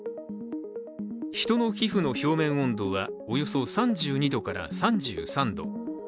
人の皮膚の表面温度は、およそ３２度から３３度。